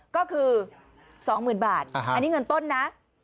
ก็คือ๒๐๐๐บาทอันนี้เงินต้นนะ